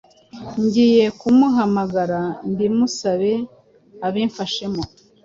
Ngiye kumuhamagara mbimusabe abimfashemo